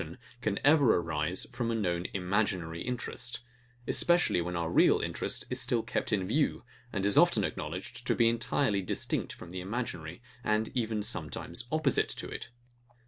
It is not conceivable, how a REAL sentiment or passion can ever arise from a known IMAGINARY interest; especially when our REAL interest is still kept in view, and is often acknowledged to be entirely distinct from the imaginary, and even sometimes opposite to it.